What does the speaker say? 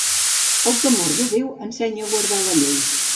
El temor de Déu ensenya a guardar la llei.